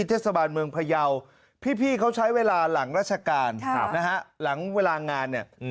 เทศบาลเมืองพยาวพี่เขาใช้เวลาหลังราชการนะฮะหลังเวลางานเนี่ย